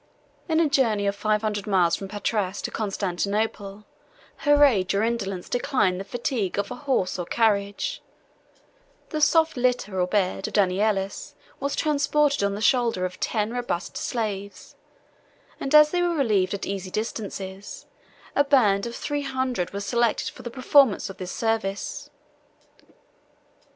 In a journey of five hundred miles from Patras to Constantinople, her age or indolence declined the fatigue of a horse or carriage: the soft litter or bed of Danielis was transported on the shoulders of ten robust slaves; and as they were relieved at easy distances, a band of three hundred were selected for the performance of this service.